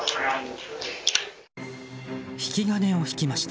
引き金を引きました。